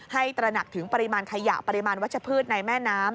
ตระหนักถึงปริมาณขยะปริมาณวัชพืชในแม่น้ำ